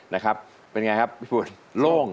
นะครับเป็นไงครับพี่ฝนโล่ง